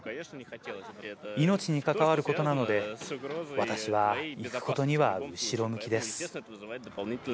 命に関わることなので、私は行くことには後ろ向きです。